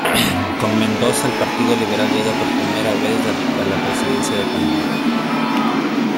Con Mendoza, el Partido Liberal llega por primera vez a la Presidencia de Panamá.